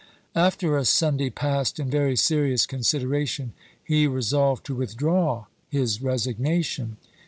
After a Sunday passed in very serious considera tion, he resolved to withdraw his resignation.